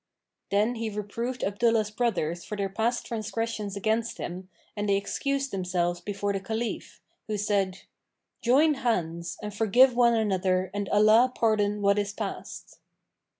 Then he reproved Abdullah's brothers for their past transgressions against him and they excused themselves before the Caliph, who said, "Join hands[FN#547] and forgive one another and Allah pardon what is past!"